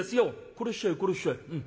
「殺しちゃえ殺しちゃえうん。